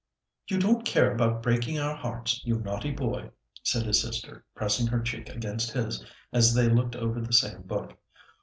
"You don't care about breaking our hearts, you naughty boy!" said his sister, pressing her cheek against his, as they looked over the same book.